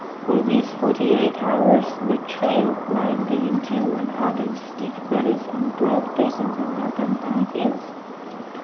For these forty eight hours the trail climbed into and out of steep valleys and broad basins and up and down hills.